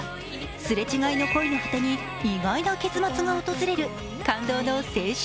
すれ違いの恋の果てに意外な結末が訪れる感動の青春